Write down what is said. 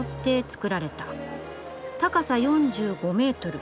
高さ４５メートル。